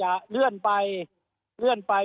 หรือคืออาจจะเลื่อนไป